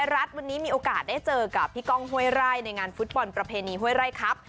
รัฐวันนี้มีโอกาสได้เจอกับพี่ก้องห้วยไร่ในงานฟุตบอลประเพณีห้วยไร่ครับ